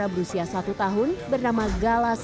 buka jalan buka jalan